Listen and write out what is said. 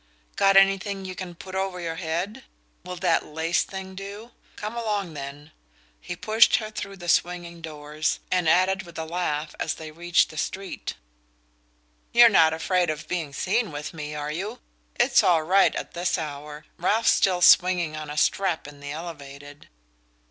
"Got anything you can put over your head? Will that lace thing do? Come along, then." He pushed her through the swinging doors, and added with a laugh, as they reached the street: "You're not afraid of being seen with me, are you? It's all right at this hour Ralph's still swinging on a strap in the elevated."